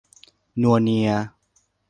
นัวเนีย